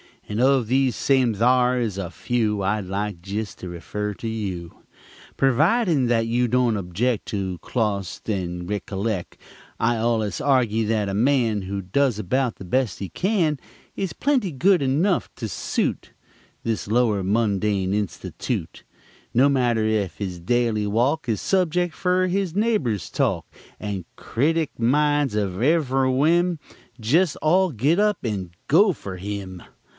And of these same thare is a few I'd like to jest refer to you Pervidin' that you don't object To listen clos't and rickollect. I allus argy that a man Who does about the best he can Is plenty good enugh to suit This lower mundane institute No matter ef his daily walk Is subject fer his neghbor's talk, And critic minds of ev'ry whim Jest all git up and go fer him!